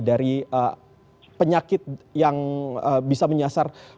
dari penyakit yang bisa menyasar